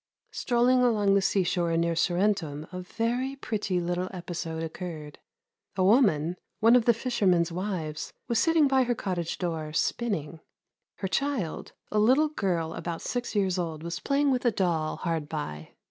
Strolling along the seashore near Sorrentum a very pretty little episode occurred. A woman, one of the fishermen's wives, was sitting by her cottage door, spinning. Her child, a little girl about six years old, was playing with a doll hard by.